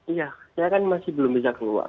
iya saya kan masih belum bisa keluar